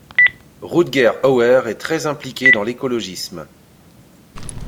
Rutger Hauer est très impliqué dans l'écologisme.